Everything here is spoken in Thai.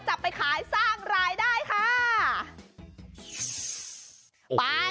จะไปขายสร้างรายได้ค่ะ